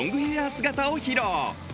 姿を披露。